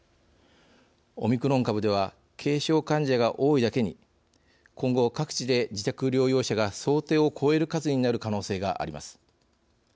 オミクロン株では軽症患者が多いだけに今後、各地で自宅療養者が想定を超える数になる可能性があります。